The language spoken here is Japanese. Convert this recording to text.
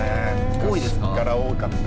昔から多かった。